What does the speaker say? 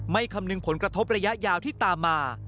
คำนึงผลกระทบระยะยาวที่ตามมา